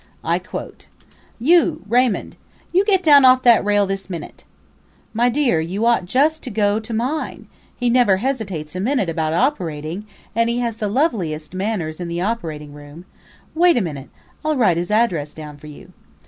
I quote: "You, Raymund! You get down off that rail this minute." ... "My dear, you just ought to go to mine! He never hesitates a minute about operating, and he has the loveliest manners in the operating room. Wait a minute I'll write his address down for you.